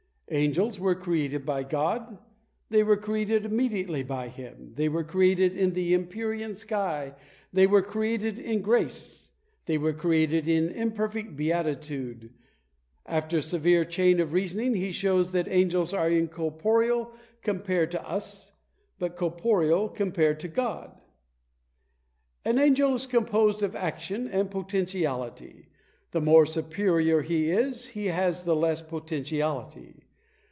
Angels were created by God They were created immediately by Him They were created in the Empyrean sky They were created in grace They were created in imperfect beatitude. After a severe chain of reasoning, he shows that angels are incorporeal compared to us, but corporeal compared to God. An angel is composed of action and potentiality; the more superior he is, he has the less potentiality.